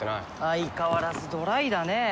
相変わらずドライだねえ。